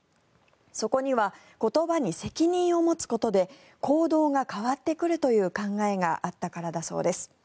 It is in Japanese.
そこには言葉に責任を持つことで行動が変わってくるという考えがあったからだそうです。